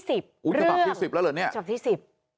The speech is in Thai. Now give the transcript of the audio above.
ฉบับที่๑๐แล้วเหรอนี่